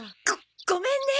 ごごめんね。